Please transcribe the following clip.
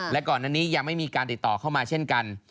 และก่อนอันนี้ยังไม่มีการติดต่อเข้ามาเช่นกัน